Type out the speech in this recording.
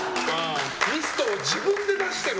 ミストを自分で出してる。